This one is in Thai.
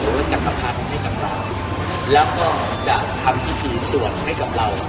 หรือว่าจะประพันธ์ให้กับเราแล้วก็จะทำพิธีส่วนให้กับเรา